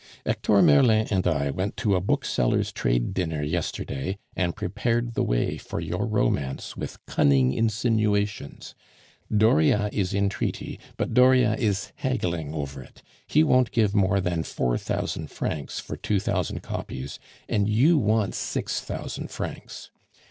"Hector Merlin and I went to a booksellers' trade dinner yesterday, and prepared the way for your romance with cunning insinuations. Dauriat is in treaty, but Dauriat is haggling over it; he won't give more than four thousand francs for two thousand copies, and you want six thousand francs.